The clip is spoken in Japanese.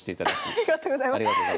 ありがとうございます。